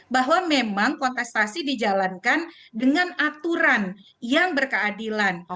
bahwa memang kontestasi dijalankan dengan aturan yang berkeadilan